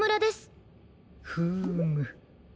フーム。